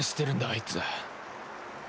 あいつ